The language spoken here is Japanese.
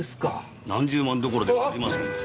何十万どころではありません。